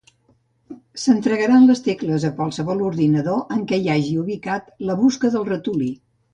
S'entregaran les tecles a qualsevol ordinador en què hi hagi ubicat la busca del ratolí.